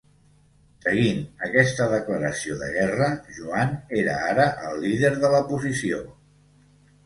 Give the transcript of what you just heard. Seguint aquesta declaració de guerra, Joan era ara el líder de la posició.